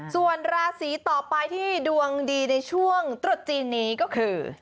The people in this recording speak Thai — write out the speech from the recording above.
ส่วนราศีต่อไปที่ดวงดีในช่วงตรุษจีนนี้ก็คือ